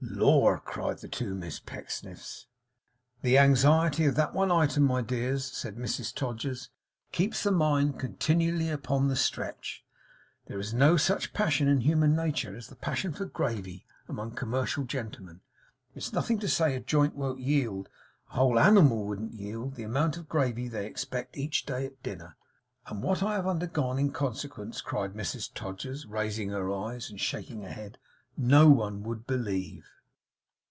'Lor'!' cried the two Miss Pecksniffs. 'The anxiety of that one item, my dears,' said Mrs Todgers, 'keeps the mind continually upon the stretch. There is no such passion in human nature, as the passion for gravy among commercial gentlemen. It's nothing to say a joint won't yield a whole animal wouldn't yield the amount of gravy they expect each day at dinner. And what I have undergone in consequence,' cried Mrs Todgers, raising her eyes and shaking her head, 'no one would believe!